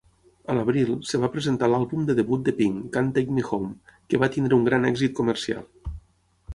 A l'abril, es va presentar l'àlbum de debut de Pink, "Can't Take Me Home", que va tenir un gran èxit comercial.